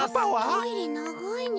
トイレながいね。